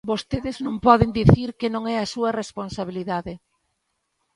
Vostedes non poden dicir que non é a súa responsabilidade.